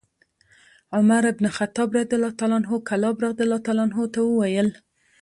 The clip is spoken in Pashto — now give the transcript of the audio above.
عمر بن الخطاب رضي الله عنه کلاب رضي الله عنه ته وویل: